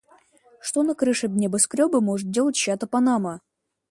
Что на крыше небоскрёба может делать чья-то панама?